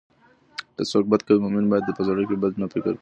که څوک بد کوي، مؤمن باید په زړه کې بد نه فکر کړي.